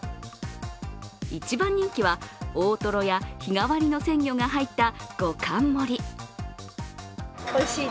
一番人気は大トロや日替わりの鮮魚が入った５貫盛り。